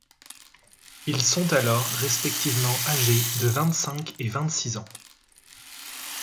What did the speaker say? Ils sont alors respectivement âgés de vingt-cinq et vingt-six ans.